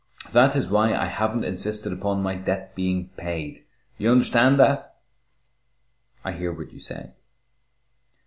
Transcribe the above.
That is why I haven't insisted upon my debt being paid. You understand that?" "I hear what you say."